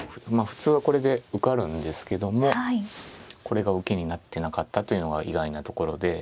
普通はこれで受かるんですけどもこれが受けになってなかったというのが意外なところで。